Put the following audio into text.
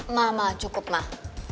mama cukup mah